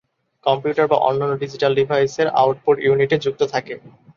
Computer বা অন্যান্য digital ডিভাইসের আউটপুট ইউনিটে যুক্ত থাকে।